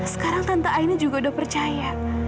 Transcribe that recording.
sekarang tante aini juga udah percaya